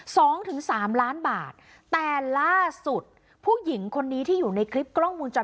สองถึงสามล้านบาทแต่ล่าสุดผู้หญิงคนนี้ที่อยู่ในคลิปกล้องมูลจร